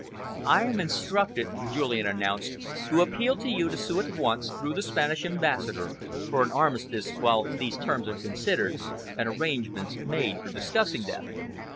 "I am instructed," Julian announced, "to appeal to you to sue at once, through the Spanish Ambassador, for an armistice while these terms are considered and arrangements made for discussing them."